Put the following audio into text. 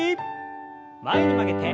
前に曲げて。